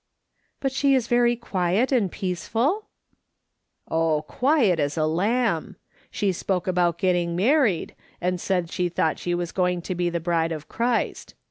" But she is very quiet and peaceful ?"" Oh, as quiet as a lamb. She spoke about getting married, and said she thought she was going to be the bride of Christ.